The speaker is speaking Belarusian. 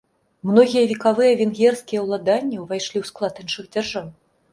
Многія векавыя венгерскія ўладанні ўвайшлі ў склад іншых дзяржаў.